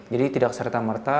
jadi tidak serta merta